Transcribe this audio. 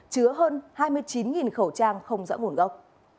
chứa hơn hai mươi chín khẩu trang không rõ nguồn gốc